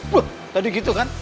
wuh tadi gitu kan